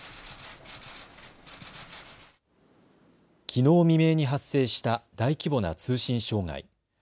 きのう未明に発生した大規模な通信障害。